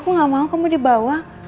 aku gak mau kamu di bawah